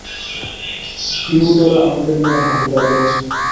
Eudora, আমাদের মেয়ের হাতে জাদু আছে।